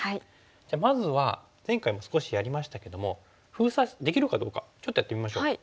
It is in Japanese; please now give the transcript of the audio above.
じゃあまずは前回も少しやりましたけども封鎖できるかどうかちょっとやってみましょう。